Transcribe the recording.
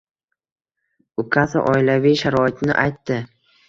Ukasi oilaviy sharoitini aytdi.